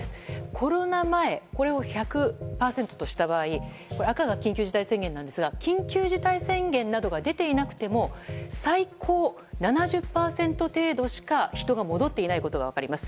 コロナ前を１００％とした場合赤が緊急事態宣言なんですが緊急事態宣言などが出ていなくても最高７０％程度しか人が戻っていないことが分かります。